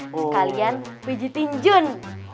sekalian bijitin jun